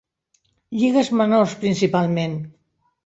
Lligues menors, principalment.